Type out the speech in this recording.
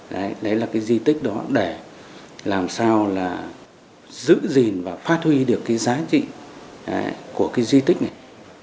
đấy đấy là cái di tích đó để làm sao là giữ gìn và phát huy được cái giá trị của cái di tích này